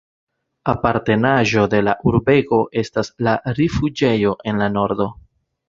Apartenaĵo de la urbego estas la rifuĝejo en la nordo.